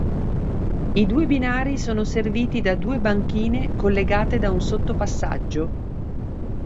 I due binari sono serviti da due banchine collegate da un sottopassaggio.